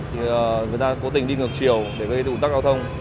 thì người ta cố tình đi ngược chiều để gây tụ tác giao thông